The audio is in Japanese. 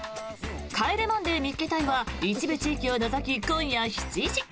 「帰れマンデー見っけ隊！！」は一部地域を除き今夜７時！